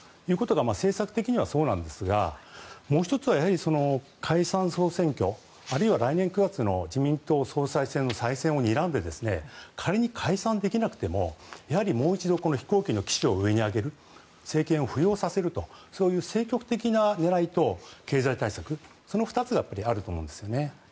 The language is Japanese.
政策的にはそうなんですがもう１つは解散・総選挙また、もう１つは来年９月の自民党の再選をにらんで仮に解散できなくてもやはりもう一度政権を浮揚させるという政局的な狙いと、経済対策その２つがあると思うんですね。